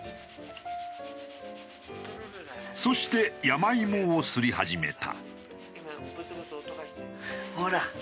そして山芋をすり始めた。